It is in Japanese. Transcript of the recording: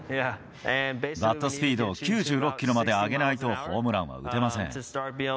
バットスピードを９６キロまで上げないと、ホームランは打てません。